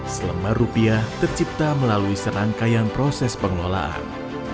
selembar rupiah tercipta melalui serangkaian proses pengelolaan